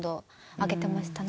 上げてましたね。